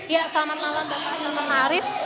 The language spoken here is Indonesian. ya selamat malam bapak selamat ma'arif